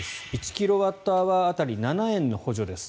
１キロワットアワー当たり７円の補助です。